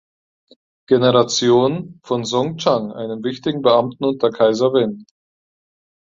Generation von Song Chang, einem wichtigen Beamten unter Kaiser Wen.